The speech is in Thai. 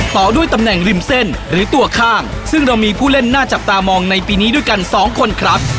ต่อด้วยตำแหน่งริมเส้นหรือตัวข้างซึ่งเรามีผู้เล่นน่าจับตามองในปีนี้ด้วยกันสองคนครับ